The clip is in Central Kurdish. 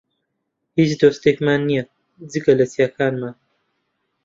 هیچ دۆستێکمان نییە، جگە لە چیاکانمان.